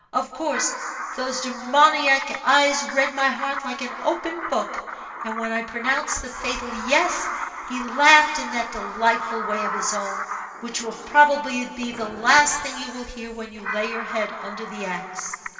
Of course, those demoniac eyes read my heart like an open book; and when I pronounced the fatal 'yes,' he laughed in that delightful way of his own, which will probably be the last thing you will hear when you lay your head under the axe.